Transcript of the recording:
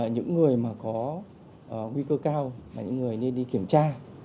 những người mà có nguy cơ cao là những người nên đi kiểm tra